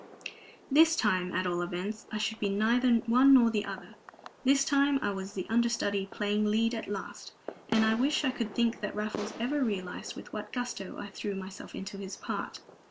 This time, at all events, I should be neither one nor the other; this time I was the understudy playing lead at last; and I wish I could think that Raffles ever realized with what gusto I threw myself into his part.